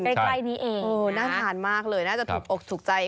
ใกล้นี้เองน่าทานมากเลยน่าจะถูกอกถูกใจ